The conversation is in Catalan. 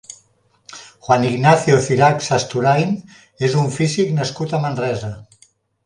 Juan Ignacio Cirac Sasturain és un físic nascut a Manresa.